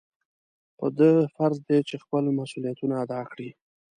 په ده فرض دی چې خپل مسؤلیتونه ادا کړي.